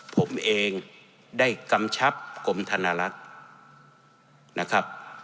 ผมเองได้กำชับกรมธนลักษณ์นะครับ